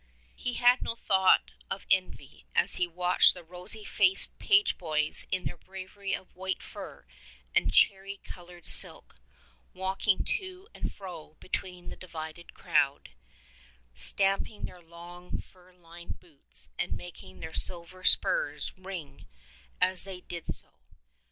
He had no thought of envy as he watched the rosy faced page boys in their bravery of white fur and cherry colored silk, walking to and fro between the divided crowd — stamp ing their long fur lined boots and making their silver spurs ring as they did so.